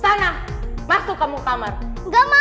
sana masuk ke kamar kamu